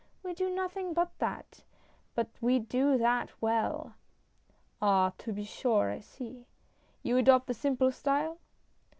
"We do nothing but that, but we do that well!" "Ah! to be sure, I see. You adopt the simple style?"